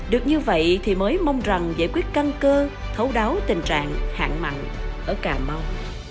được như vậy thì mới mong rằng giải quyết căn cơ thấu đáo tình trạng hạn mặn ở cà mau